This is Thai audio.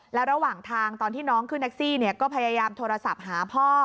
แล้วระหว่างทางตอนที่น้องขึ้นแท็กซี่ก็พยายามโทรศัพท์หาพ่อ